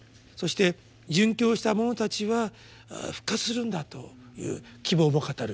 そして「殉教した者たちは復活するんだ」という希望も語る。